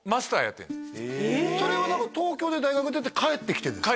それは何か東京で大学出て帰ってきてですか？